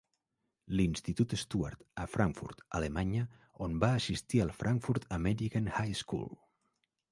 L'institut Stuart, a Frankfurt, Alemanya, on va assistir al Frankfurt American High School.